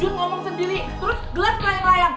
jun ngomong sendiri terus gelas pelayan pelayan